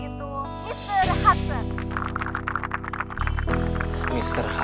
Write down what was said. yaitu mr hudson